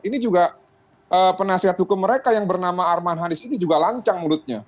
ini juga penasihat hukum mereka yang bernama arman hanis ini juga lancang mulutnya